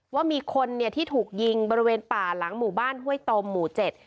ว่ามีคนเนี่ยที่ถูกยิงบริเวณป่าหลังหมู่บ้านห้วยตมหมู่เจ็ด